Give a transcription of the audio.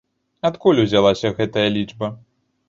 Адкуль узялася гэтая лічба?